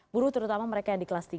buruh terutama mereka yang di kelas tiga